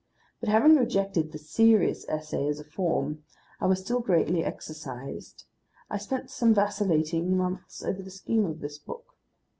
But having rejected the "serious" essay as a form, I was still greatly exercised, I spent some vacillating months, over the scheme of this book.